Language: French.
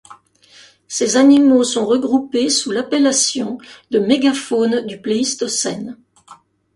Ces animaux sont regroupés sous l'appellation de mégafaune du Pléistocène.